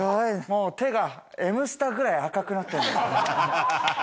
もう手がエムスタぐらい赤くなってる。